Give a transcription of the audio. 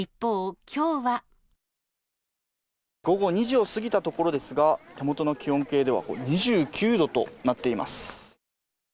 午後２時を過ぎたところですが、手元の気温計では２９度となっています。